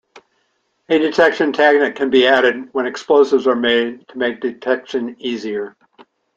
A detection taggant can be added when explosives are made to make detection easier.